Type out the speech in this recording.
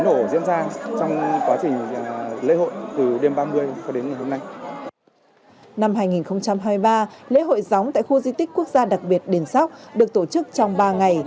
năm hai nghìn hai mươi ba lễ hội gióng tại khu di tích quốc gia đặc biệt đền sóc được tổ chức trong ba ngày